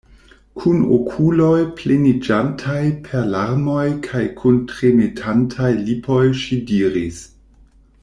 Kun okuloj pleniĝantaj per larmoj kaj kun tremetantaj lipoj ŝi diris: